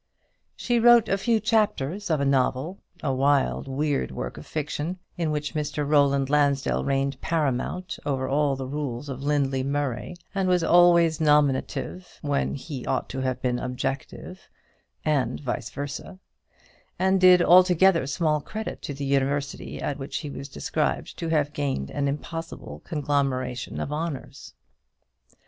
She wrote a few chapters of a novel; a wild weird work of fiction, in which Mr. Roland Lansdell reigned paramount over all the rules of Lindley Murray, and was always nominative when he ought to have been objective, and vice versa, and did altogether small credit to the university at which he was described to have gained an impossible conglomeration of honours.